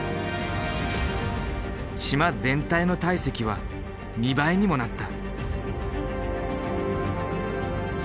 島全体の体積は２倍にもなった。